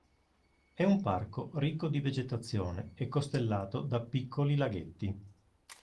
È un parco ricco di vegetazione e costellato da piccoli laghetti.